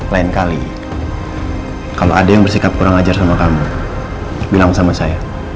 lain kali kalau ada yang bersikap kurang ajar sama kamu bilang sama saya